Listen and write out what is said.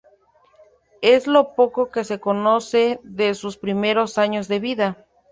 Es lo poco que se conoce de sus primeros años de vida.